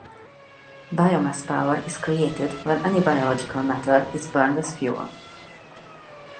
Biomass power is created when any biological matter is burned as fuel.